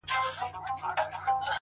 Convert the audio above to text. لوړ لید د واټنونو محدودیت کموي.!